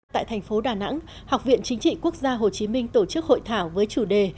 tại thành phố đà nẵng học viện chính trị quốc gia hồ chí minh tổ chức hội thảo với chủ đề